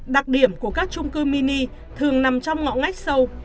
đặc điểm của các trung cư mini thường nằm trong ngõ ngách sâu